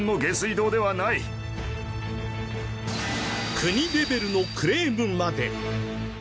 国レベルのクレームまで。